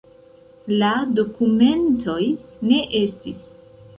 La dokumentoj ne estis.